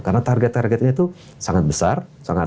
karena target targetnya itu sangat besar